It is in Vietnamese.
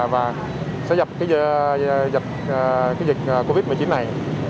và sẽ dập dịch covid một mươi chín này